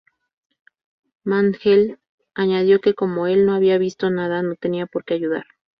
Mantell añadió que como el no había visto nada, no tenía porque ayudar.